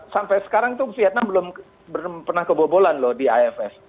sampai sekarang itu vietnam belum pernah kebobolan loh di ifs